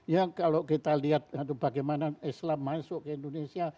yang kalau kita lihat bagaimana islam masuk ke indonesia